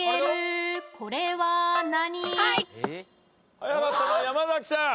早かったのは山さん。